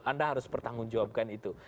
anda harus bertanggung jawabkan itu